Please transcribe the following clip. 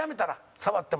触っても。